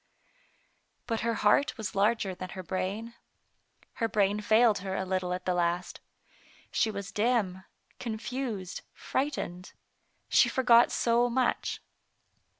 But her heart was larger than her brain. Her brain failed her a little at the last. She was dim, confused, frightened. She forgot so much.